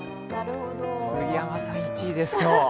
杉山さん、１位です、今日。